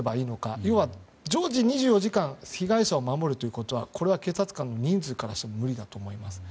要は常時２４時間被害者を守るということはこれは警察官の人数からしても無理だと思います。